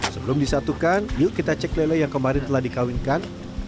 sebelum disatukan yuk kita cek lele yang kemarin telah dikawinkan